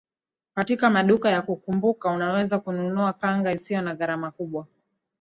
Katika maduka ya kukumbuka unaweza kununua kanga isiyo na gharama kubwa